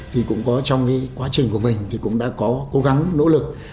thì cũng có trong quá trình của mình cũng đã có cố gắng nỗ lực